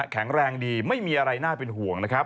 แข็งแรงดีไม่มีอะไรน่าเป็นห่วงนะครับ